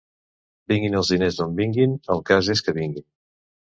Vinguin els diners d'on vinguin, el cas és que vinguin.